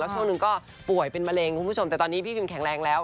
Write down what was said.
ช่วงหนึ่งก็ป่วยเป็นมะเร็งคุณผู้ชมแต่ตอนนี้พี่พิมแข็งแรงแล้ว